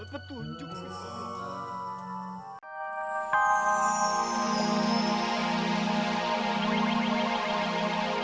berilah hamba petunjuk ya allah